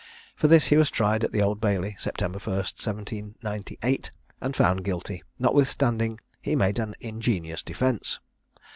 For this he was tried at the Old Bailey, September 1, 1798, and found guilty, notwithstanding he made an ingenious defence.